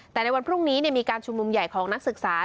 แต่ในวันพรุ่งนี้มีการชุมนุมใหญ่ของนักศึกษา